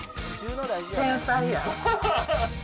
天才や！